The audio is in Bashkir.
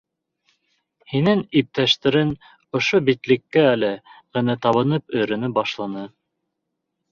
Һинең иптәштәрең ошо битлеккә әле генә табынып өйрәнә башланы.